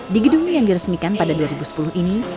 di gedung yang diresmikan pada dua ribu sepuluh ini